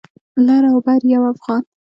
لر او بر يو افغان.